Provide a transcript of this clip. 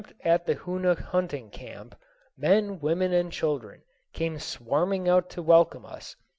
] When we arrived at the Hoona hunting camp, men, women, and children came swarming out to welcome us.